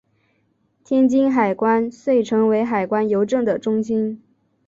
天津海关遂成为海关邮政的中心。